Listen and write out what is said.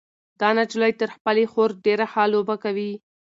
دا نجلۍ تر خپلې خور ډېره ښه لوبه کوي.